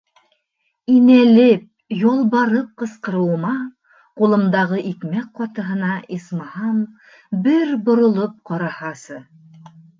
Инәлеп, ялбарып ҡысҡырыуыма, ҡулымдағы икмәк ҡатыһына, исмаһам, бер боролоп ҡараһасы.